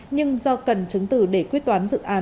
nhưng do cần chứng tử để quyết toán dự án